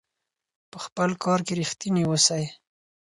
په خپل کار کې ریښتیني اوسئ.